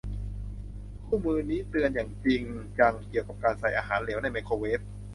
คู่มือนี้เตือนอย่างจริงจังเกี่ยวกับการใส่อาหารเหลวในไมโครเวฟ